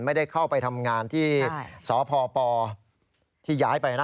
ไม่ได้เข้าไปทำงานที่สพปที่ย้ายไปนะ